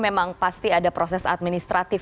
memang pasti ada proses administratif